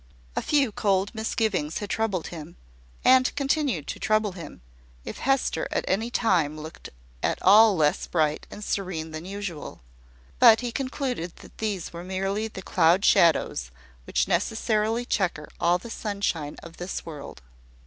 A few cold misgivings had troubled him, and continued to trouble him, if Hester at any time looked at all less bright and serene than usual: but he concluded that these were merely the cloud shadows which necessarily chequer all the sunshine of this world.